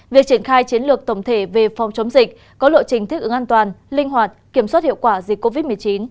việc triển khai chiến lược tổng thể về phòng chống dịch có lộ trình thích ứng an toàn linh hoạt kiểm soát hiệu quả dịch covid một mươi chín